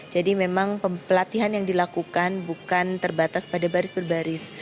jadi memang pelatihan yang dilakukan bukan terbatas pada baris per baris